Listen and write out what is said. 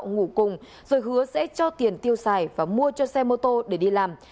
ngủ cùng rồi hứa sẽ cho tiền tiêu xài và mua cho xe mô tô để đi làm